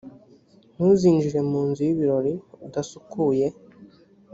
ntuzinjire mu nzu y’ibirori udasukuye